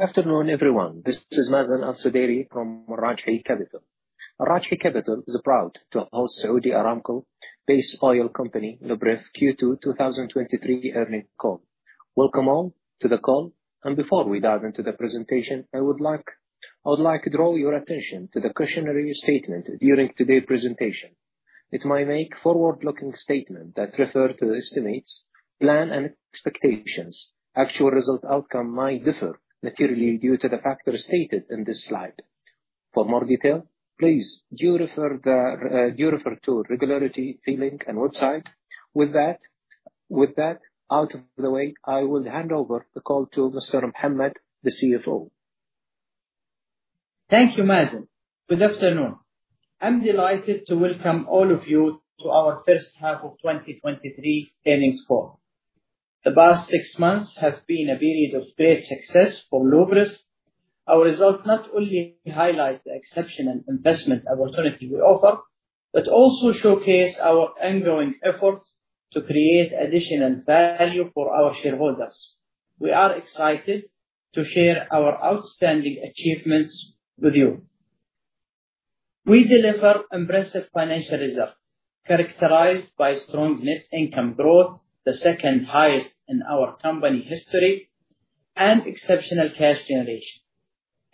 Afternoon, everyone. This is Mazen Al-Sudairi from Al Rajhi Capital. Al Rajhi Capital is proud to host Saudi Aramco Base Oil Company, Luberef, Q2 2023 earnings call. Welcome all to the call. Before we dive into the presentation, I would like to draw your attention to the cautionary statement during today's presentation. It might make forward-looking statement that refer to estimates, plan, and expectations. Actual result outcome might differ materially due to the factors stated in this slide. For more detail, please do refer to regulatory link and website. With that out of the way, I will hand over the call to Mr. Mohammed, the CFO. Thank you, Mazen. Good afternoon. I'm delighted to welcome all of you to our first half of 2023 earnings call. The past six months have been a period of great success for Luberef. Our results not only highlight the exceptional investment opportunity we offer, but also showcase our ongoing efforts to create additional value for our shareholders. We are excited to share our outstanding achievements with you. We deliver impressive financial results characterized by strong net income growth, the second highest in our company history, and exceptional cash generation.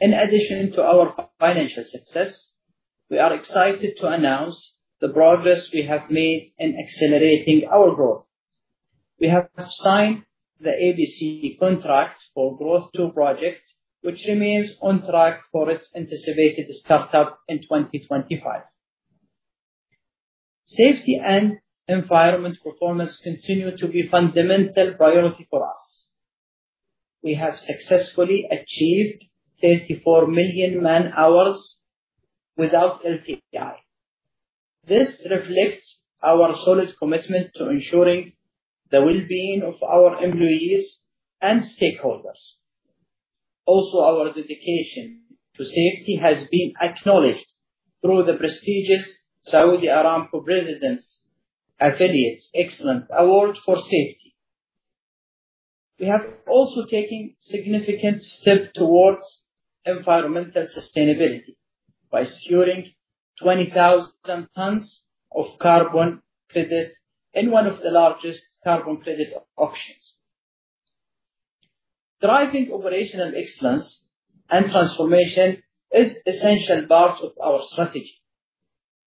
In addition to our financial success, we are excited to announce the progress we have made in accelerating our growth. We have signed the EPC contract for Growth Two project, which remains on track for its anticipated startup in 2025. Safety and environment performance continue to be fundamental priority for us. We have successfully achieved 34 million man-hours without LTI. This reflects our solid commitment to ensuring the well-being of our employees and stakeholders. Also, our dedication to safety has been acknowledged through the prestigious Saudi Aramco President's Affiliates Excellence Award for Safety. We have also taken significant step towards environmental sustainability by securing 20,000 tons of carbon credit in one of the largest carbon credit auctions. Driving operational excellence and transformation is essential part of our strategy.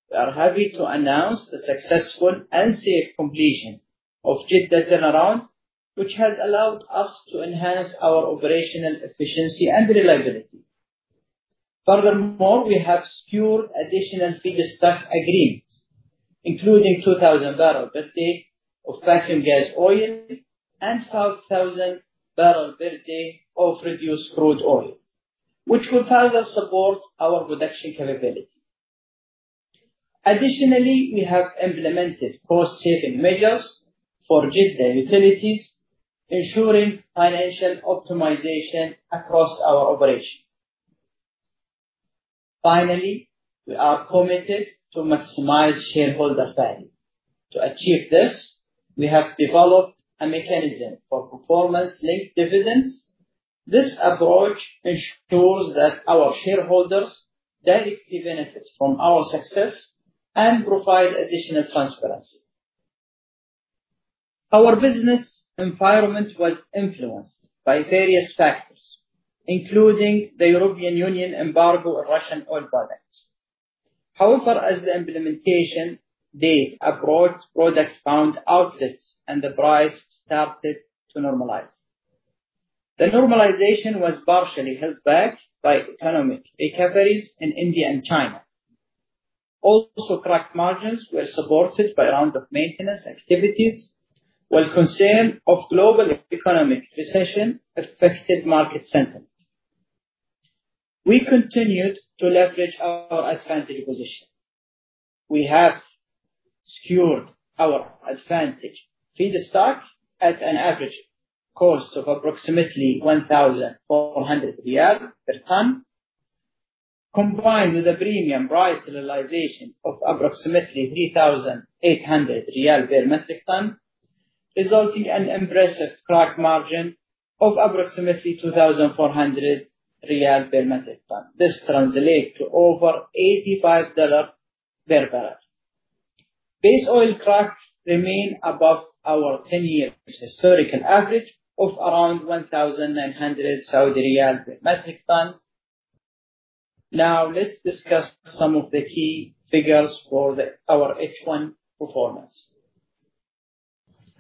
We are happy to announce the successful and safe completion of Jeddah turnaround, which has allowed us to enhance our operational efficiency and reliability. Furthermore, we have secured additional feedstock agreements, including 2,000 barrel per day of fraction gas oil and 5,000 barrel per day of reduced crude oil, which will further support our production capability. Additionally, we have implemented cost-saving measures for Jeddah utilities, ensuring financial optimization across our operation. Finally, we are committed to maximize shareholder value. To achieve this, we have developed a mechanism for performance-linked dividends. This approach ensures that our shareholders directly benefit from our success and provide additional transparency. Our business environment was influenced by various factors, including the European Union embargo on Russian oil products. However, as the implementation date abroad, products found outlets and the price started to normalize. The normalization was partially held back by economic recoveries in India and China. Also, crack margins were supported by round of maintenance activities, while concern of global economic recession affected market sentiment. We continued to leverage our advantage position. We have secured our advantage feedstock at an average cost of approximately 1,400 riyal per ton, combined with a premium price realization of approximately SAR 3,800 per metric ton, resulting in an impressive crack margin of approximately 2,400 riyal per metric ton. This translate to over $85 per barrel. Base oil crack remain above our 10-year historical average of around 1,900 Saudi riyal per metric ton. Let's discuss some of the key figures for our H1 performance.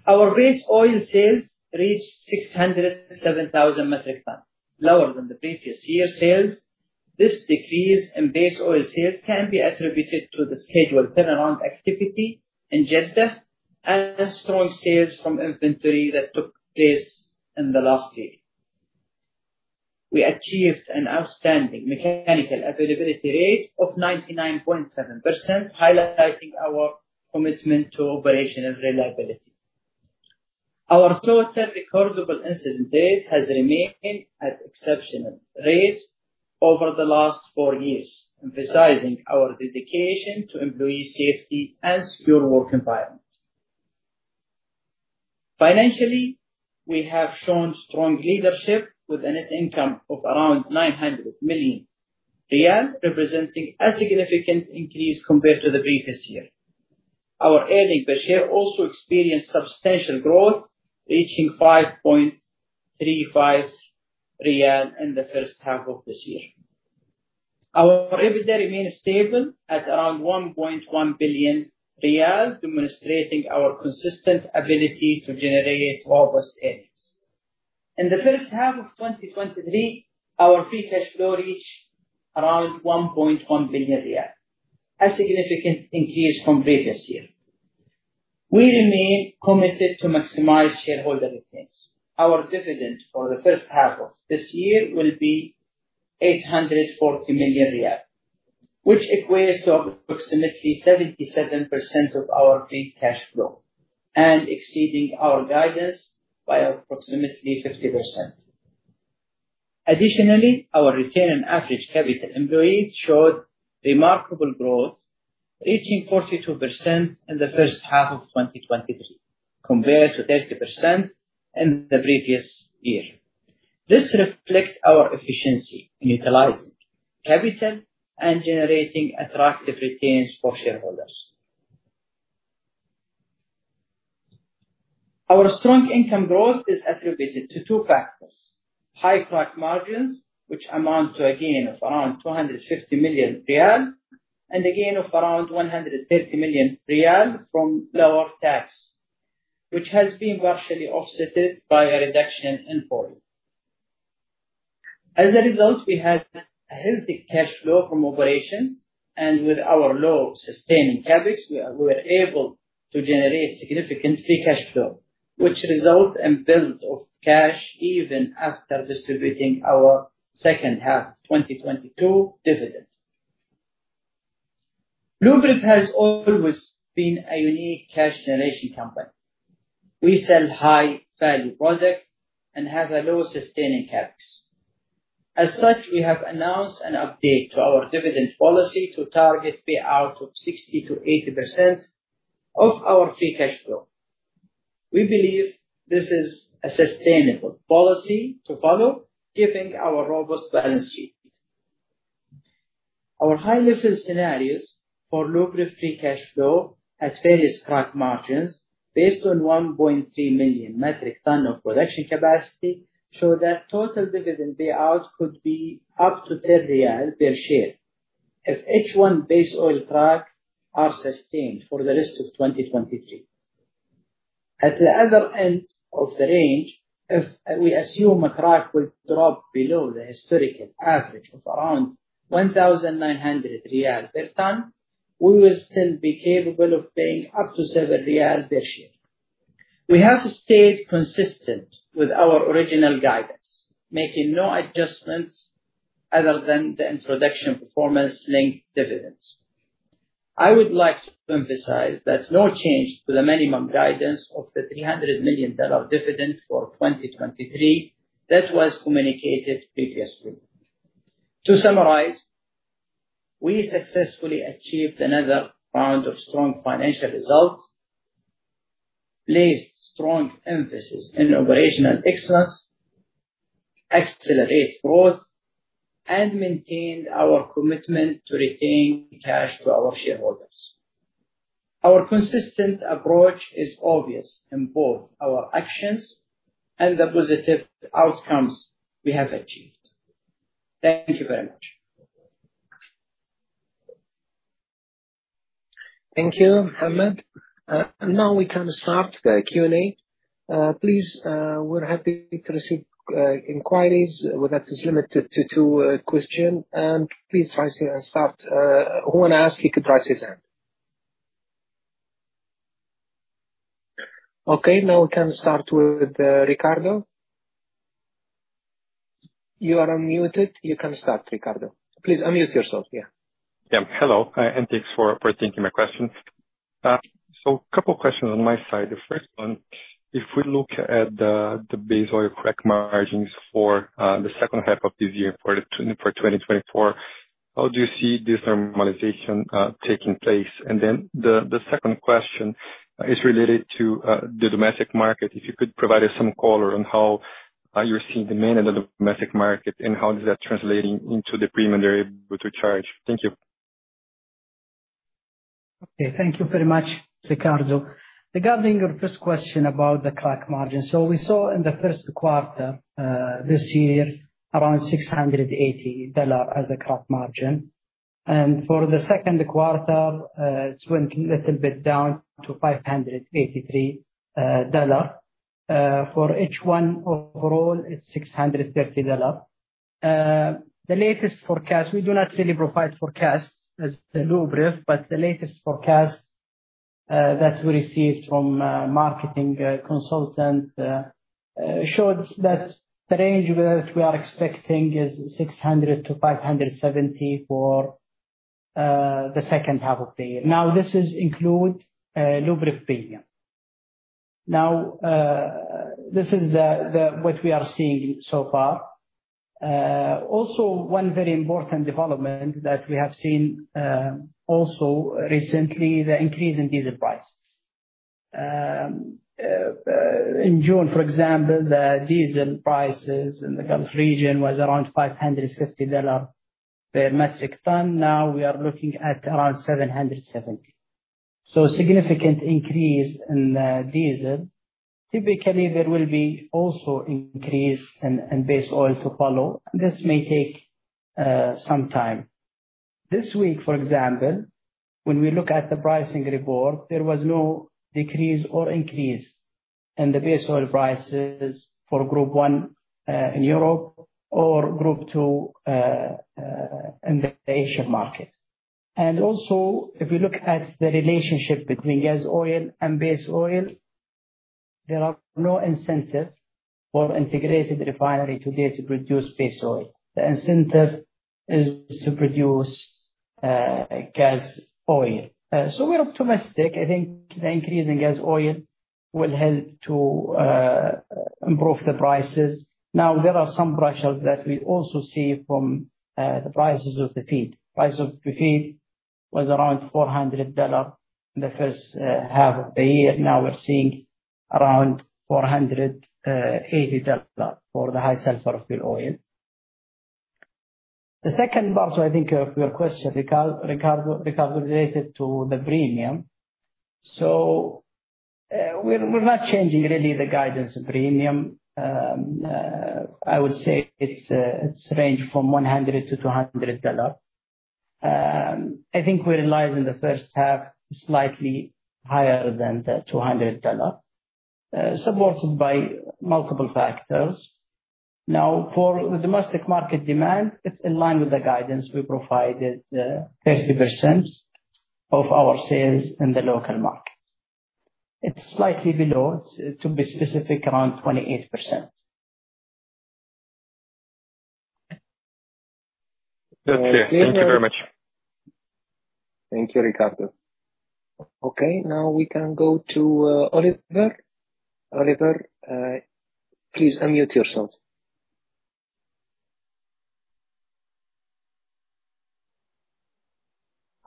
Our base oil sales reached 607,000 metric ton, lower than the previous year sales. This decrease in base oil sales can be attributed to the scheduled turnaround activity in Jeddah and strong sales from inventory that took place in the last year. We achieved an outstanding mechanical availability rate of 99.7%, highlighting our commitment to operational reliability. Our Total Recordable Incident Rate has remained at exceptional rate over the last 4 years, emphasizing our dedication to employee safety and secure work environment. Financially, we have shown strong leadership with a net income of around 900 million riyal, representing a significant increase compared to the previous year. Our earning per share also experienced substantial growth, reaching 5.35 riyal in the first half of this year. Our revenue remains stable at around 1.1 billion riyals, demonstrating our consistent ability to generate robust earnings. In the first half of 2023, our free cash flow reached around 1.1 billion, a significant increase from previous year. We remain committed to maximize shareholder returns. Our dividend for the first half of this year will be 840 million riyal, which equates to approximately 77% of our free cash flow, and exceeding our guidance by approximately 50%. Additionally, our return on average capital employed showed remarkable growth, reaching 42% in the first half of 2023, compared to 30% in the previous year. This reflects our efficiency in utilizing capital and generating attractive returns for shareholders. Our strong income growth is attributed to two factors: high crack margins, which amount to a gain of around 250 million riyal, and a gain of around 130 million riyal from lower tax, which has been partially offset by a reduction in volume. As a result, we had a healthy cash flow from operations, and with our low sustaining CapEx, we were able to generate significant free cash flow, which result in build of cash even after distributing our second half 2022 dividend. Luberef has always been a unique cash generation company. We sell high value products and have a low sustaining CapEx. As such, we have announced an update to our dividend policy to target payout of 60%-80% of our free cash flow. We believe this is a sustainable policy to follow, given our robust balance sheet. Our high level scenarios for Luberef free cash flow at various crack margins, based on 1.3 million metric ton of production capacity, show that total dividend payout could be up to 10 riyal per share if H1 base oil crack are sustained for the rest of 2023. At the other end of the range, if we assume a crack would drop below the historical average of around 1,900 riyal per ton, we will still be capable of paying up to 7 riyal per share. We have stayed consistent with our original guidance, making no adjustments other than the introduction of performance-linked dividends. I would like to emphasize that no change to the minimum guidance of the $300 million dividend for 2023, that was communicated previously. To summarize, we successfully achieved another round of strong financial results, placed strong emphasis in operational excellence, accelerate growth, and maintained our commitment to retain cash to our shareholders. Our consistent approach is obvious in both our actions and the positive outcomes we have achieved. Thank you very much. Thank you, Mohammed. Now we can start the Q&A. Please, we're happy to receive inquiries, but that is limited to 2 question. Please raise your hand and start, who want to ask, you can raise his hand. Okay, now we can start with Ricardo. You are unmuted. You can start, Ricardo. Please unmute yourself. Yeah. Yeah. Hello, thanks for, for taking my questions. Two questions on my side. The first one, if we look at the, the base oil crack margins for the second half of this year for 2024, how do you see this normalization taking place? Then the second question is related to the domestic market. If you could provide us some color on how you're seeing the demand in the domestic market, and how is that translating into the premium you're able to charge? Thank you. Okay. Thank you very much, Ricardo. Regarding your first question about the crack margin, we saw in the first quarter, this year, around $680 as a crack margin. For the second quarter, it went little bit down to $583. For H1 overall, it's $630. The latest forecast, we do not really provide forecasts as Luberef, the latest forecast that we received from marketing consultant shows that the range that we are expecting is $600-$570 for the second half of the year. Now, this is include Luberef premium. Now, this is what we are seeing so far. Also, one very important development that we have seen recently, the increase in diesel price. In June, for example, the diesel prices in the Gulf region was around $550 per metric ton. Now, we are looking at around $770. Significant increase in the diesel. Typically, there will be also increase in base oil to follow. This may take some time. This week, for example, when we look at the pricing report, there was no decrease or increase in the base oil prices for Group I in Europe or Group II in the Asian market. Also, if you look at the relationship between gas oil and base oil, there are no incentive for integrated refinery today to produce base oil. The incentive is to produce gas oil. We're optimistic. I think the increase in gas oil will help to improve the prices. Now, there are some pressure that we also see from the prices of the feed. Price of the feed was around $400 in the first half of the year. Now, we're seeing around $480 for the high sulfur fuel oil. The second part, I think your question, Riccardo, related to the premium. We're not changing really the guidance of premium. I would say it's range from $100-$200. I think we realized in the first half, slightly higher than the $200, supported by multiple factors. For the domestic market demand, it's in line with the guidance we provided, 30% of our sales in the local markets. It's slightly below, to be specific, around 28%. That's it. Thank you very much. Thank you, Riccardo. Okay, now we can go to, Oliver. Oliver, please unmute yourself.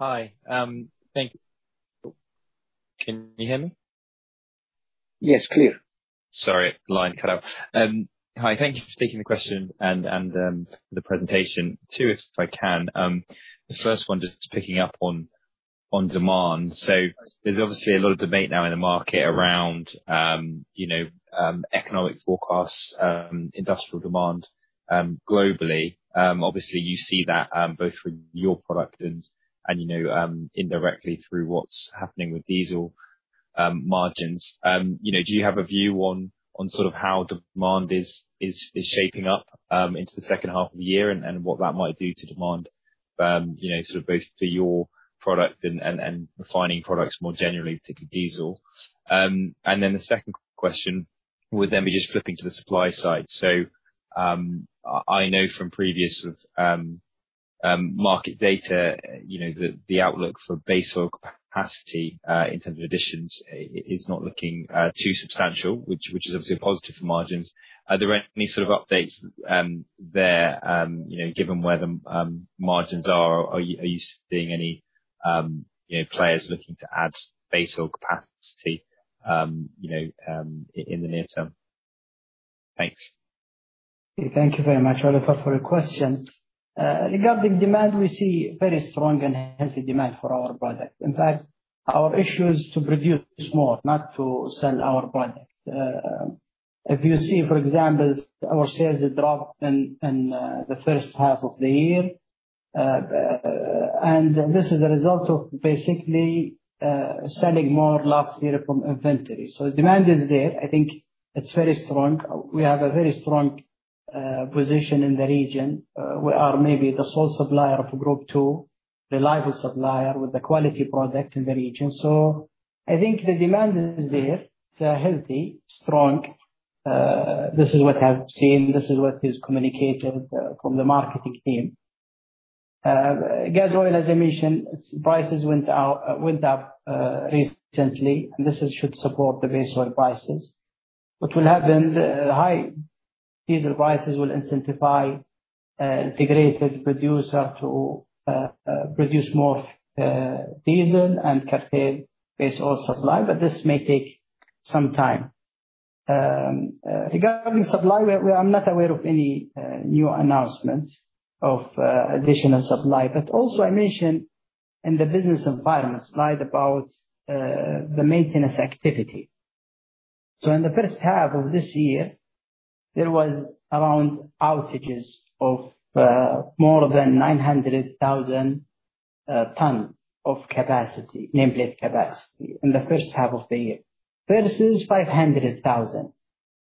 Hi. Thank you. Can you hear me? Yes, clear. Sorry, line cut out. Hi, thank you for taking the question and, and, the presentation, too, if I can. The first one, just picking up on, on demand. There's obviously a lot of debate now in the market around, you know, economic forecasts, industrial demand, globally. Obviously, you see that, both with your product and, and, you know, indirectly through what's happening with diesel, margins. You know, do you have a view on, on sort of how demand is, is, is shaping up, into the second half of the year, and, and what that might do to demand, you know, sort of both to your product and, and, and refining products more generally to diesel? The second question would then be just flipping to the supply side. I, I know from previous market data, you know, the, the outlook for base oil capacity in terms of additions is not looking too substantial, which, which is obviously a positive for margins. Are there any sort of updates there, you know, given where the margins are, are you, are you seeing any, you know, players looking to add base oil capacity, you know, in the near term? Thanks. Thank you very much, Oliver, for your question. Regarding demand, we see very strong and healthy demand for our product. In fact, our issue is to produce more, not to sell our product. If you see, for example, our sales dropped in, in the first half of the year. This is a result of basically selling more last year from inventory. Demand is there. I think it's very strong. We have a very strong position in the region. We are maybe the sole supplier of Group II, reliable supplier with a quality product in the region. I think the demand is there. It's healthy, strong. This is what I've seen. This is what is communicated from the marketing team. Gas oil, as I mentioned, its prices went up recently. This should support the base oil prices. What will happen, the high diesel prices will incentivize integrated producer to produce more diesel and curtail base oil supply. This may take some time. Regarding supply, we are not aware of any new announcements of additional supply. Also I mentioned in the business environment slide about the maintenance activity. In the first half of this year, there was around outages of more than 900,000 ton of capacity, nameplate capacity, in the first half of the year, versus 500,000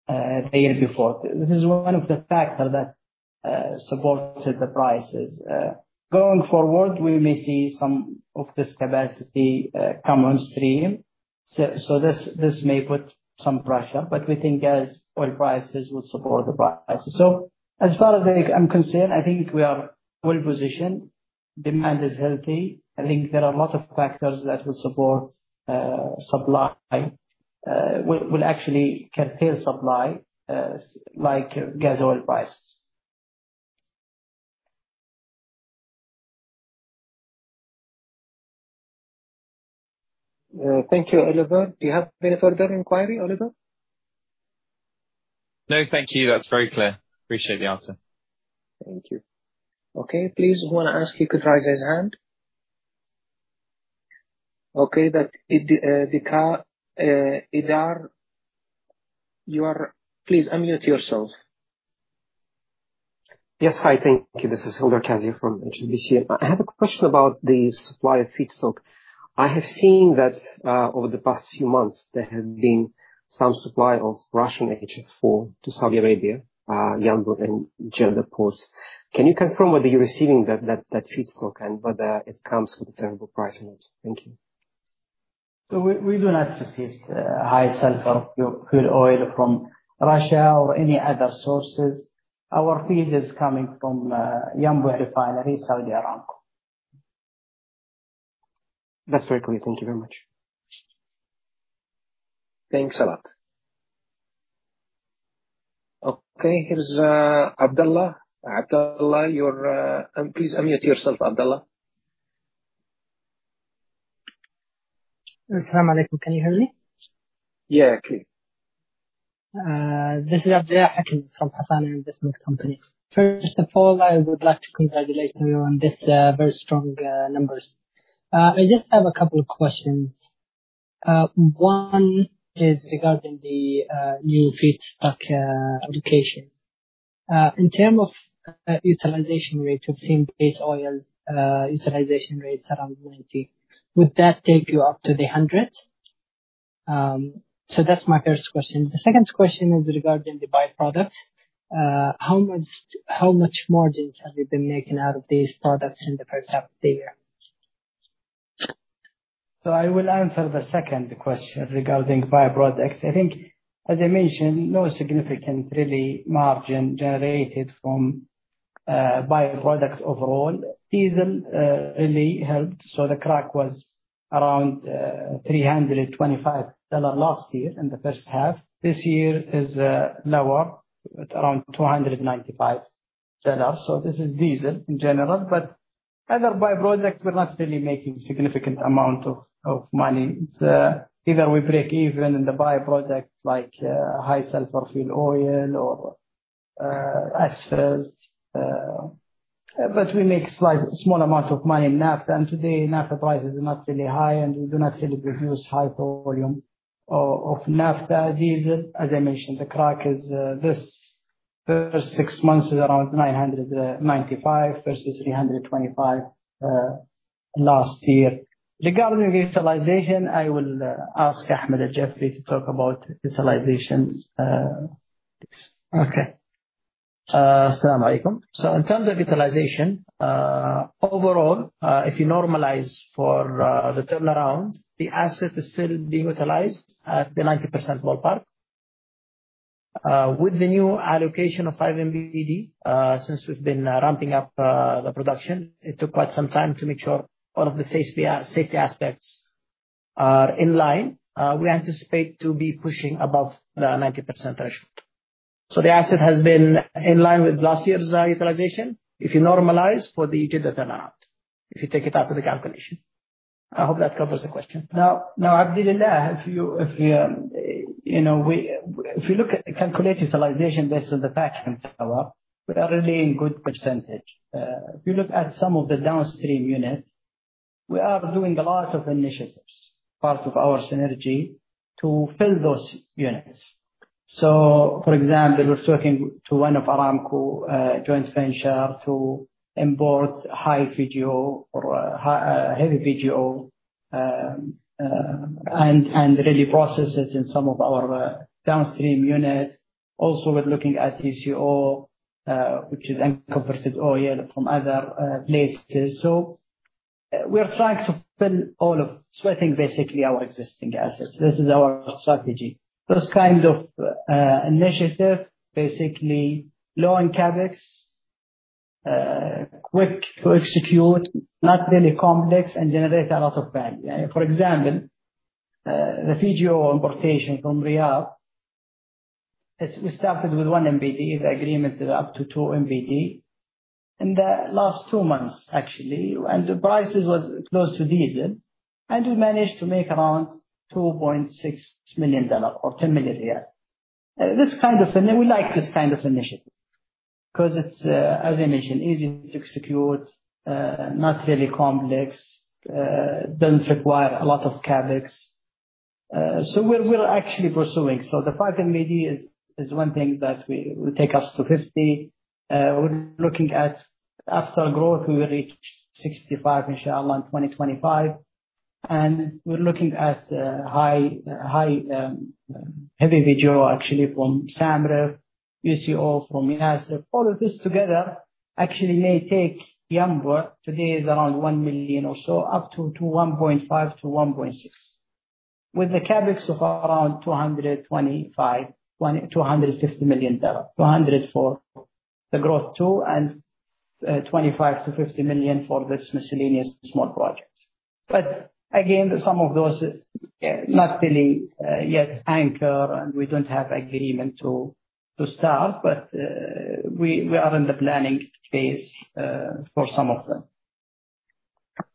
the year before. This is one of the factor that supported the prices. Going forward, we may see some of this capacity come on stream. So this, this may put some pressure, but we think gas oil prices will support the prices. As far as I'm concerned, I think we are well positioned. Demand is healthy. I think there are a lot of factors that will support supply will, will actually can fill supply like gas oil prices. Thank you, Oliver. Do you have any further inquiry, Oliver? No, thank you. That's very clear. Appreciate the answer. Thank you. Okay, please, who want to ask, he could raise his hand. Okay, that, Hilda, you are. Please unmute yourself. Yes. Hi, thank you. This is Hilda Shiam from HSBC. I, I have a question about the supply of feedstock. I have seen that over the past few months, there have been some supply of Russian HSFO to Saudi Arabia, Yanbu and Jeddah ports. Can you confirm whether you're receiving that, that, that feedstock, and whether it comes with a terrible price on it? Thank you. we, we do not receive, high sulfur fuel oil from Russia or any other sources. Our feed is coming from, Yanbu Refinery, Saudi Aramco. That's very clear. Thank you very much. Thanks a lot. Okay, here is Abdallah. Abdallah, you're... please unmute yourself, Abdallah. Asalam alaikum. Can you hear me? Yeah, I can. This is Abdallah Al-Hakim from Hassana Investment Company. First of all, I would like to congratulate you on this very strong numbers. I just have a couple of questions. One is regarding the new feedstock allocation. In term of utilization rate, we've seen base oil utilization rates around 90. Would that take you up to the 100? That's my first question. The second question is regarding the byproducts. How much, how much margins have you been making out of these products in the first half of the year? I will answer the second question regarding byproducts. I think, as I mentioned, no significant really margin generated from byproduct overall. Diesel really helped, the crack was around $325 last year in the first half. This year is lower, at around $295. This is diesel in general, but other byproducts, we're not really making significant amount of money. It's either we break even in the byproducts, like high sulfur fuel oil or asphalt. We make slight, small amount of money in naphtha, and today, naphtha price is not really high, and we do not really produce high volume of naphtha, diesel. As I mentioned, the crack is this first six months is around $995 versus $325 last year. Regarding utilization, I will ask Ahmed Al-Jiffry to talk about utilization, please. Asalam alaikum. In terms of utilization, overall, if you normalize for the turnaround, the asset is still being utilized at the 90% ballpark. With the new allocation of 5 MBPD, since we've been ramping up the production, it took quite some time to make sure all of the safety aspects are in line. We anticipate to be pushing above the 90% threshold. The asset has been in line with last year's utilization, if you normalize for the utility turnaround, if you take it out of the calculation. I hope that covers the question. Now, now, Abdallah, if you, if you, you know, we, if you look at the calculated utilization based on the in power, we are really in good percentage. If you look at some of the downstream units, we are doing a lot of initiatives, part of our synergy, to fill those units. For example, we're talking to one of Aramco joint venture, to import high VGO or high heavy VGO, and and really process it in some of our downstream units. Also, we're looking at VGO, which is unconverted oil from other places. We are trying to fill all of, sweating basically our existing assets. This is our strategy. Those kind of initiative, basically low in CapEx, quick to execute, not really complex, and generate a lot of value. For example, the VGO importation from Riyadh, we started with 1 MBPD. The agreement is up to 2 MBPD. In the last 2 months, actually, the prices was close to diesel, we managed to make around $2.6 million or 10 million riyal. This kind of initiative, we like this kind of initiative, 'cause it's, as I mentioned, easy to execute, not really complex, doesn't require a lot of CapEx. We're, we're actually pursuing. The 5 MBPD is, is one thing that we, will take us to 50. We're looking at after growth, we will reach 65, inshallah, in 2025. We're looking at high, high, heavy VGO actually from SAMREF, UCO from Yanbu. All of this together actually may take Yanbu, today is around 1 million or so, up to 1.5-1.6, with a CapEx of around $225 million, $250 million, Growth Two and $25 million-$50 million for this miscellaneous small projects. Again, some of those not really yet anchor, and we don't have agreement to, to start, but we are in the planning phase for some of them.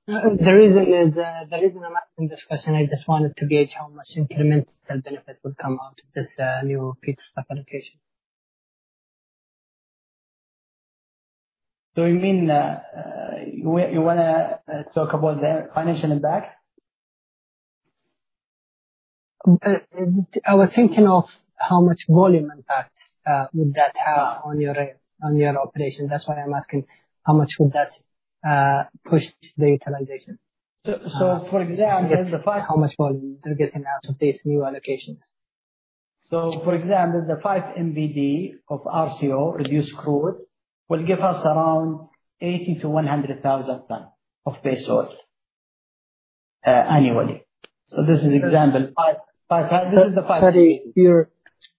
The reason is, the reason I'm asking this question, I just wanted to gauge how much incremental benefit would come out of this, new feedstock allocation. Do you mean, you, you wanna talk about the financial impact? I was thinking of how much volume impact would that have on your, on your operation. That's why I'm asking, how much would that push the utilization? so for example, the five- How much volume you're getting out of these new allocations? for example, the 5 MBD of RCO, reduced crude, will give us around 80,000-100,000 tons of base oil, annually. This is example, 5, 5, this is the 5. Sorry, your,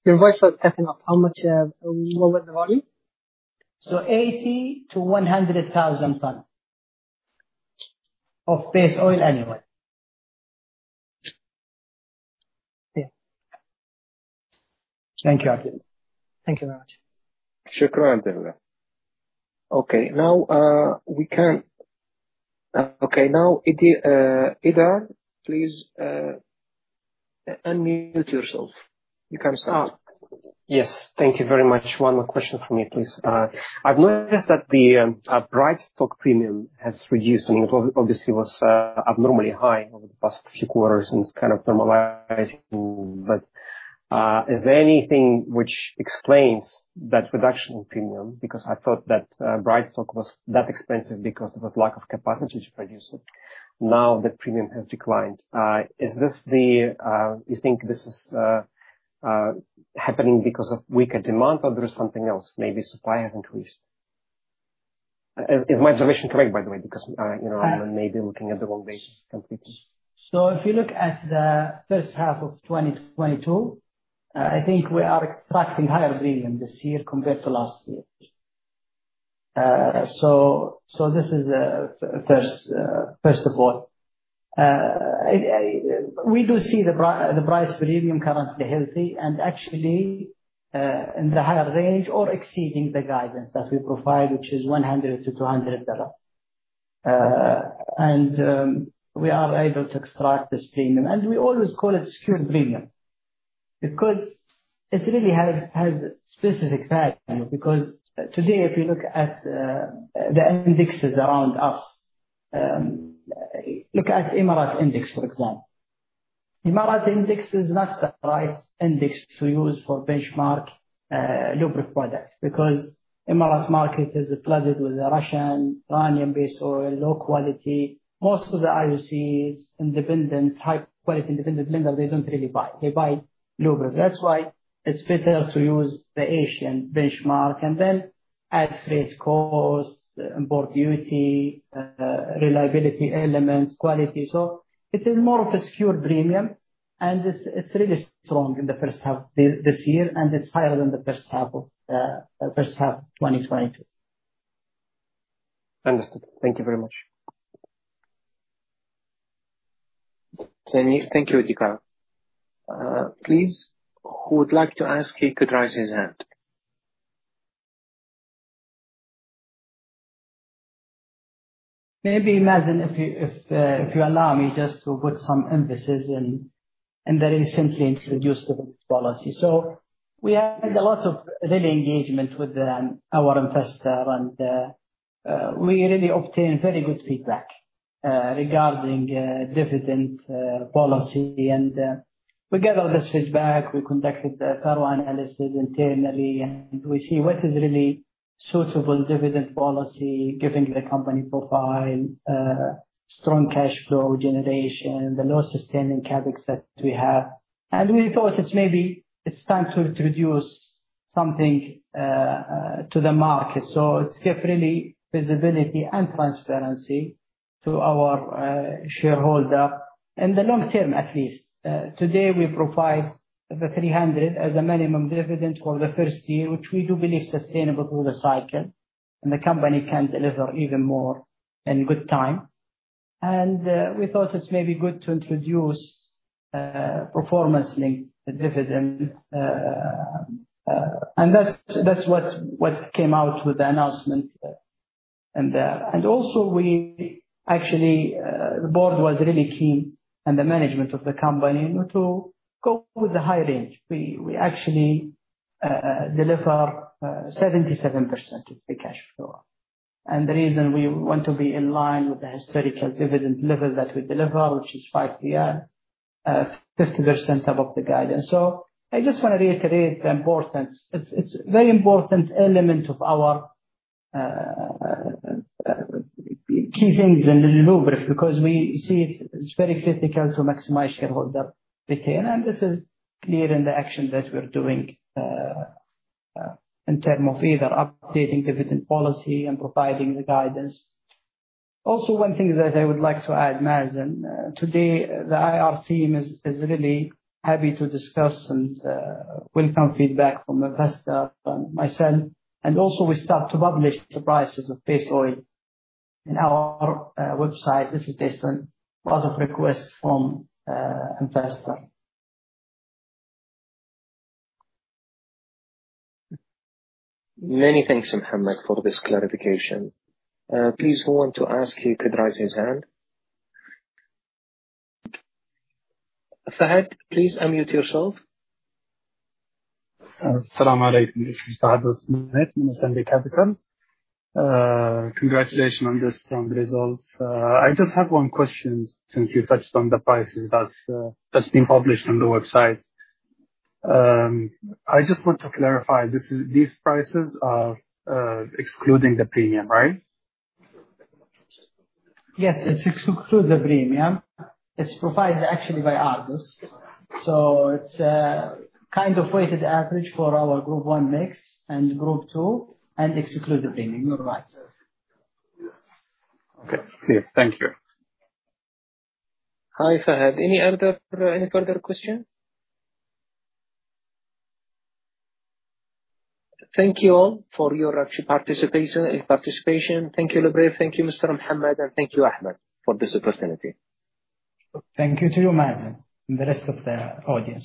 your voice was cutting off. How much, what was the volume? 80-100,000 tons of base oil annually. Okay. Thank you. Thank you very much. Okay. Now, Okay, now, Idar, please, unmute yourself. You can start. Yes. Thank you very much. One more question for me, please. I've noticed that the bright stock premium has reduced. I mean, it obviously was abnormally high over the past few quarters, and it's kind of normalizing. Is there anything which explains that reduction in premium? Because I thought that bright stock was that expensive because there was lack of capacity to produce it. Now the premium has declined. Is this the... You think this is happening because of weaker demand, or there is something else, maybe supply has increased? Is, is my observation correct, by the way, because, you know, I may be looking at the wrong data completely. If you look at the first half of 2022, I think we are extracting higher premium this year compared to last year. This is first, first of all, we do see the bright premium currently healthy and actually in the higher range or exceeding the guidance that we provide, which is $100-$200. We are able to extract this premium. We always call it secured premium. It really has specific value, because today, if you look at the indexes around us, look at Emirates Index, for example. Emirates Index is not the right index to use for benchmark, Luberef products, because Emirates market is flooded with the Russian, Iranian-based oil, low quality. Most of the IOCs, independent, high quality, independent blender, they don't really buy. They buy Luberef. That's why it's better to use the Asian benchmark and then add freight costs, import duty, reliability elements, quality. It is more of a secured premium, and it's, it's really strong in the first half this, this year, and it's higher than the first half of, first half, 2022. Understood. Thank you very much. Thank you. Thank you, Idar. Please, who would like to ask, he could raise his hand. Maybe, Mazen, if you, if, if you allow me just to put some emphasis and, and very simply introduce the policy. We had a lot of really engagement with our investor, and we really obtained very good feedback regarding dividend policy. We gather this feedback, we conducted a thorough analysis internally, and we see what is really suitable dividend policy, given the company profile, strong cash flow generation, the low sustaining CapEx that we have. We thought it's maybe it's time to introduce something to the market. It's give really visibility and transparency to our shareholder in the long term, at least. Today, we provide the 300 as a minimum dividend for the first year, which we do believe sustainable through the cycle, and the company can deliver even more in good time. We thought it may be good to introduce performance-linked dividends. And that's, that's what, what came out with the announcement, and there. Also we actually, the board was really keen, and the management of the company, you know, to go with the high range. We actually deliver 77% of the cash flow. The reason we want to be in line with the historical dividend level that we deliver, which is five year, 50% above the guidance. I just want to reiterate the importance. It's, it's very important element of our key things in Luberef, because we see it's very critical to maximize shareholder return, and this is clear in the action that we're doing in term of either updating dividend policy and providing the guidance. Also, one thing that I would like to add, Mazen, today, the IR team is really happy to discuss and welcome feedback from investor and myself. Also, we start to publish the prices of base oil in our website. This is based on lot of requests from investor. Many thanks, Mohammed, for this clarification. Please, who want to ask, he could raise his hand. Fahad, please unmute yourself. As-salamu alaykum. This is Fahad from Samba Capital. Congratulations on the strong results. I just have 1 question, since you touched on the prices that, that's being published on the website. I just want to clarify, these prices are excluding the premium, right? Yes, it's exclude the premium. It's provided actually by Argus. It's kind of weighted average for our Group I mix and Group II, in the Asian market. Exclude the premium. You're right. Yes. Okay. Clear. Thank you. Hi, Fahad. Any other, any further question? Thank you all for your actually participation and participation. Thank you, Luberef. Thank you, Mr. Mohammed, and thank you, Ahmed, for this opportunity. Thank you to you, Mazen, and the rest of the audience.